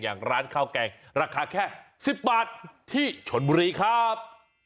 อย่างร้านข้าวแกงราคาแค่๑๐บาทที่ชนบุรีครับ